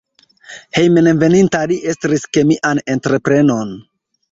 Hejmenveninta li estris kemian entreprenon.